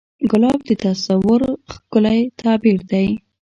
ګلاب د تصور ښکلی تعبیر دی.